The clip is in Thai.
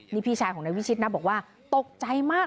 นี่พี่ชายของนายวิชิตนะบอกว่าตกใจมาก